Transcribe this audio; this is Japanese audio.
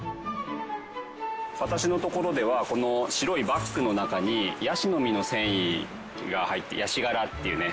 私の所ではこの白いバッグの中にヤシの実の繊維が入ってヤシガラっていうね